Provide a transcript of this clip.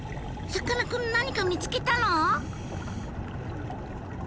さかなクン何か見つけたの？